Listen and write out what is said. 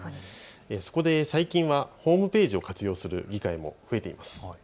そこで最近はホームページを活用する議会も増えています。